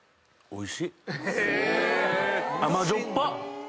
おいしい！